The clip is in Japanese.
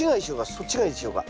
そっちがいいでしょうか？